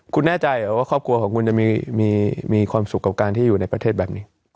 คุณแน่ใจเหรอว่าครอบครัวของคุณจะมีความสุขกับการที่อยู่ในประเทศแบบนี้